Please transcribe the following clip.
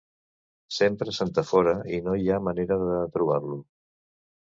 Sempre s'entafora i no hi ha manera de trobar-lo.